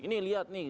ini lihat nih